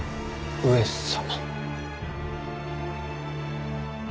上様。